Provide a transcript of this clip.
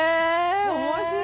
面白い。